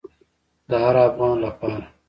د هر افغان لپاره.